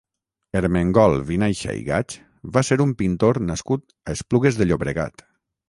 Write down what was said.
Ermengol Vinaixa i Gaig va ser un pintor nascut a Esplugues de Llobregat.